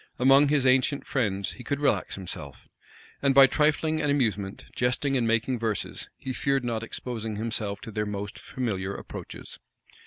Among his ancient friends, he could relax himself; and by trifling and amusement, jesting and making verses, he feared not exposing himself to their most familiar approaches.